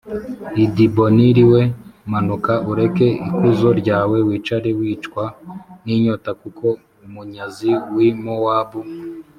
i Dibonil we manuka ureke ikuzo ryawe wicare wicwa n inyota kuko umunyazi w i Mowabu